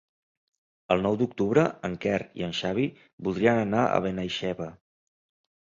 El nou d'octubre en Quer i en Xavi voldrien anar a Benaixeve.